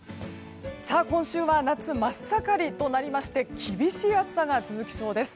今週は夏真っ盛りとなりまして厳しい暑さが続きそうです。